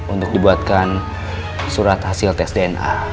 untuk dibuatkan surat hasil tes dna